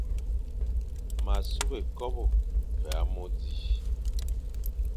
Ma sughé kobe ve amô di,